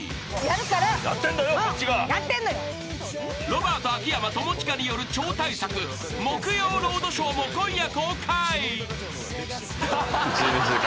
［ロバート秋山友近による超大作木曜ロードショーも今夜公開］